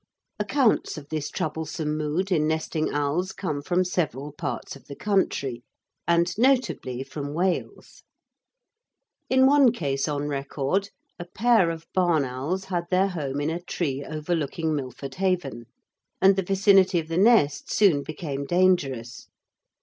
Accounts of this troublesome mood in nesting owls come from several parts of the country, and notably from Wales. In one case on record a pair of barn owls had their home in a tree overlooking Milford Haven, and the vicinity of the nest soon became dangerous.